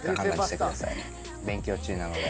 勉強中なので。